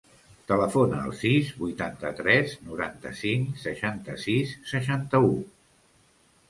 Telefona al sis, vuitanta-tres, noranta-cinc, seixanta-sis, seixanta-u.